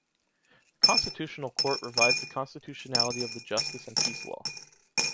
The Constitutional Court revised the constitutionality of the Justice and Peace Law.